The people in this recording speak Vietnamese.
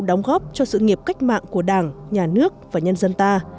đóng góp cho sự nghiệp cách mạng của đảng nhà nước và nhân dân ta